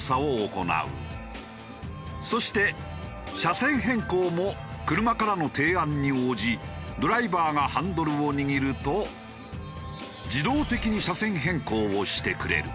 そして車線変更も車からの提案に応じドライバーがハンドルを握ると自動的に車線変更をしてくれる。